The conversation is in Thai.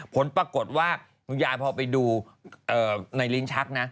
ผลปรากฏว่าคุณยายพอไปดูในลิ้นชักนะ